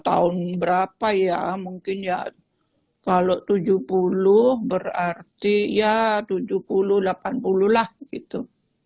tahun berapa ya mungkin ya kalau tujuh puluh berarti ya tujuh puluh delapan puluh lah gitu